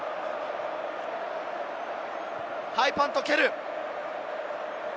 ハイパントを蹴る。